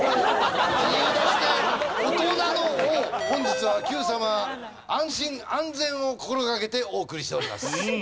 本日は『Ｑさま！！』安心・安全を心掛けてお送りしております。